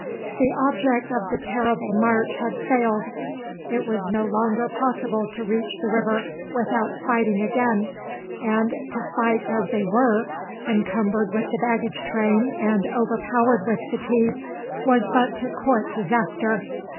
The object of the terrible march had failed; it was no longer possible to reach the river without fighting again, and to fight as they were, encumbered with the baggage train and overpowered with fatigue, was but to court disaster.